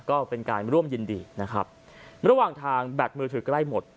ก็เป็นการร่วมยินดีนะครับระหว่างทางแบตมือถือใกล้หมด